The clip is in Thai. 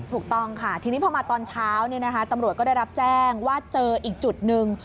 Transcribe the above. ถูกต้องค่ะทีนี้พอมาตอนเช้าตำรวจก็ได้รับแจ้งว่าเจออีกจุดหนึ่ง